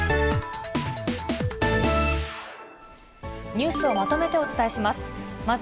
ニュースをまとめてお伝えします。